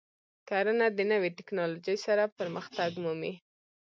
کرنه د نوې تکنالوژۍ سره پرمختګ مومي.